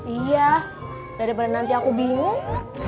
iya daripada nanti aku bingung